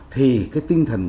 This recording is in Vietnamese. thì cái tinh thần